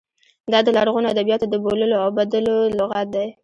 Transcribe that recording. دا د لرغونو ادبیاتو د بوللو او بدلو لغت دی.